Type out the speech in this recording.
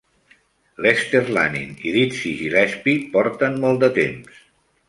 Lester Lanin i Dizzy Gillespie porten molt de temps.